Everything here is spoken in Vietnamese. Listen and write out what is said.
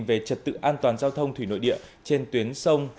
về trật tự an toàn giao thông thủy nội địa trên tuyến sông